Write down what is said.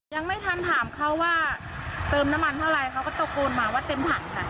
ยังไม่ทันถามเขาว่าเติมน้ำมันเท่าไหร่เขาก็ตะโกนมาว่าเต็มถังค่ะ